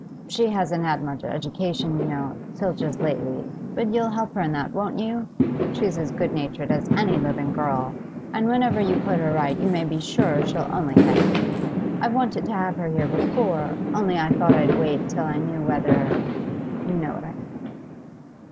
'She hasn't had much education, you know, till just lately. But you'll help her in that, won't you? She's as good natured as any girl living, and whenever you put her right you may be sure she'll only thank you. I've wanted to have her here before, only I thought I'd wait till I knew whether you know what I mean.